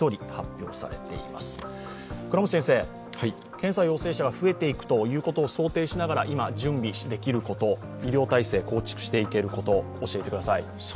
検査陽性者が増えていくことを想定しながら今、準備できること医療体制、構築していけること、教えてください。